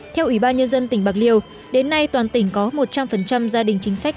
theo ủy ban nhân dân tỉnh bạc liêu đến nay toàn tỉnh có một trăm linh gia đình chính sách